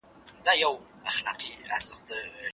په قلم خط لیکل د تدریس د بریالیتوب تر ټولو ښکاره نښه ده.